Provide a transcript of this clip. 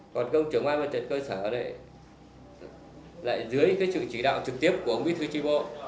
còn ông trưởng ban một trận cơ sở này lại dưới cái trực chỉ đạo trực tiếp của ông bí thư tri bộ